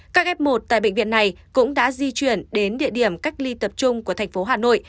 các f một tại bệnh viện này cũng đã di chuyển đến địa điểm cách ly tập trung của thành phố hà nội